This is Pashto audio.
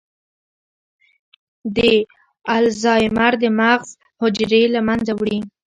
د الزایمر د مغز حجرې له منځه وړي.